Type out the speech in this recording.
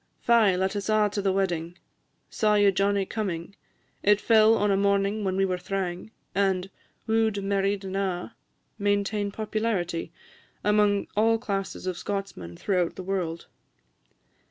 "Fy, let us a' to the wedding," "Saw ye Johnnie comin'?" "It fell on a morning when we were thrang," and "Woo'd, and married, and a'," maintain popularity among all classes of Scotsmen throughout the world.